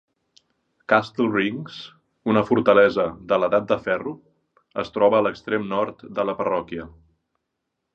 Castle Rings, una fortalesa de l'Edat del Ferro, es troba a l'extrem nord de la parròquia.